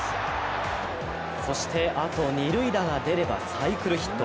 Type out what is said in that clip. そして、あと二塁打が出ればサイクルヒット。